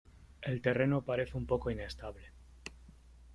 El terreno parece un poco inestable .